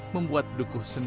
membuat perubahan di kampung